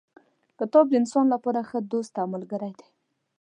کتاب د انسان لپاره ښه دوست او ملګری دی.